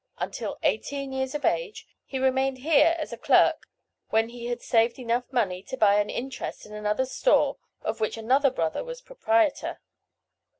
Until eighteen years of age he remained here as a clerk when he had saved money enough to buy an interest in another store of which another brother was proprietor.